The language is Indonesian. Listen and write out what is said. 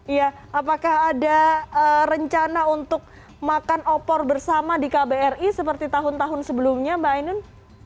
iya apakah ada rencana untuk makan opor bersama di kbri seperti tahun tahun sebelumnya mbak ainun